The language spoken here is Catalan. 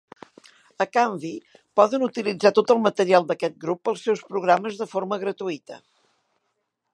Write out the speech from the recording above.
A canvi, poden utilitzar tot el material d'aquest grup pels seus programes de forma gratuïta.